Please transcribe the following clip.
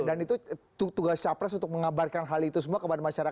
dan itu tugas cawapres untuk mengabarkan hal itu semua kepada masyarakat